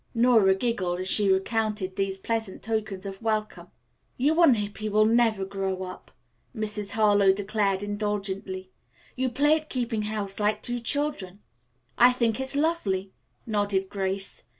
'" Nora giggled as she recounted these pleasant tokens of welcome. "You and Hippy will never grow up," Mrs. Harlowe declared indulgently. "You play at keeping house like two children." "I think it's lovely," nodded Grace.